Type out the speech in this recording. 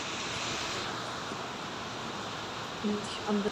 Společnost podporující začlenění potřebuje více pracovních míst.